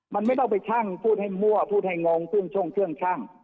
มันไม่ต้องไปชั่งพูดให้มั่วพูดให้งงเครื่องช่งเครื่องชั่ง